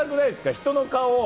人の顔を。